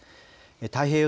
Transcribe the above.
太平洋